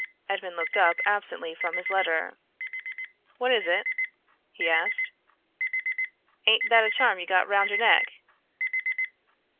Edmond looked up absently from his letter. "What is it?" he asked. "Aint that a charm you got round your neck?"